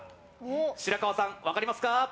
白河さん、分かりますか？